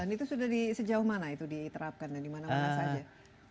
dan itu sudah di sejauh mana itu diterapkan dan dimana mana saja